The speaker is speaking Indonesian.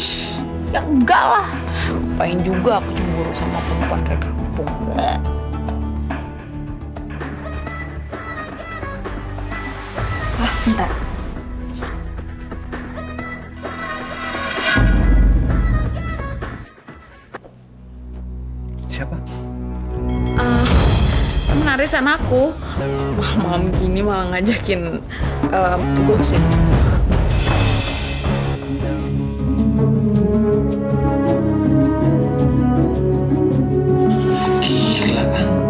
sampai jumpa di video selanjutnya